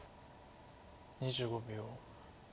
２５秒。